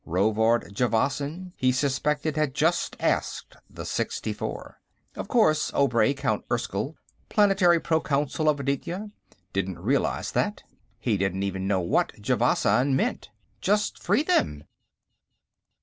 Rovard Javasan, he suspected, had just asked the sixtifor. Of course, Obray, Count Erskyll, Planetary Proconsul of Aditya, didn't realize that. He didn't even know what Javasan meant. Just free them.